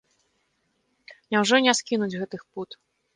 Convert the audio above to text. Няўжо не скінуць гэтых пут?